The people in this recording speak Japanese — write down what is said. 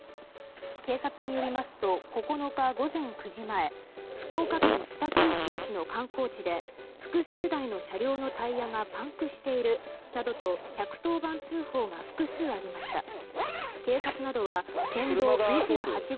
警察によりますと９日午前９時前福岡県北九州市の観光地で複数台の車両のタイヤがパンクしているなどと１１０番通報が複数ありました。